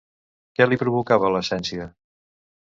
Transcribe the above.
Què li provocava l'essència?